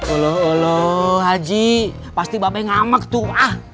aloh aloh haji pasti babay ngamak tuh ah